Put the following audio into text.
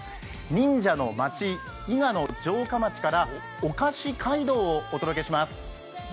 忍者の町、伊賀の城下町からお菓子街道をお届けします。